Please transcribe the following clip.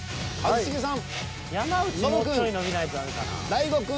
一茂さん。